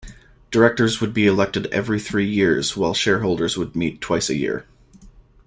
Directors would be elected every three years while shareholders would meet twice a year.